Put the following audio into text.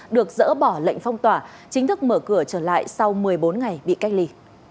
được dỡ bỏ lệnh phong tỏa chính thức mở cửa trở lại sau một mươi bốn ngày bị cách ly